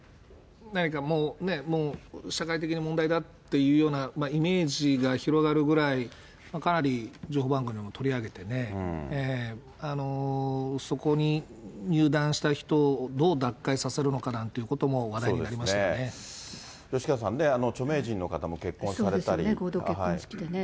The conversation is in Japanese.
何かもうね、社会的に問題だっていうようなイメージが広がるぐらい、かなり情報番組も取り上げてね、そこに入団した人をどう脱会させるかなんということも話題になり吉川さん、著名人の方も結婚合同結婚式でね。